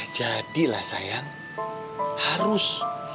jadilah sayang harus